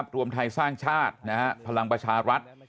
รวมไทยสร้างชาติพลังประชารัฐ